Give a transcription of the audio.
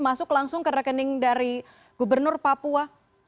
masuk langsung ke rekening dari gubernur papua